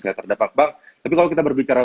yang terdapat bang tapi kalau kita berbicara